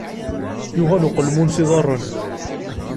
Yuɣal uqelmun s iḍaṛṛen.